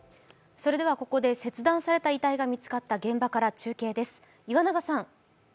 それではここで切断された遺体が見つかった現場から中継です。